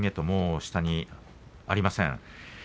もう下がありません。